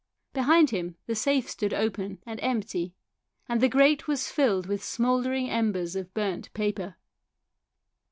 Behind him the safe stood open and empty, and the grate was filled with smoulder ing embers of burnt paper.